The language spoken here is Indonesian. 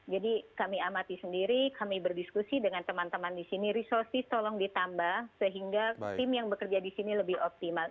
jadi kami amati sendiri kami berdiskusi dengan teman teman di sini resursi tolong ditambah sehingga tim yang bekerja di sini lebih optimal